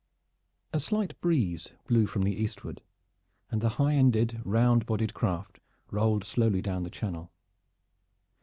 A slight breeze blew from the eastward, and the highended, round bodied craft rolled slowly down the Channel.